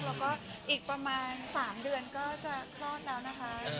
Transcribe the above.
แล้วก็อีกประมาณ๓เดือนก็จะคลอดแล้วนะคะ